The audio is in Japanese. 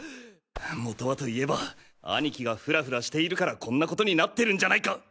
元はといえば兄貴がふらふらしているからこんなことになってるんじゃないか！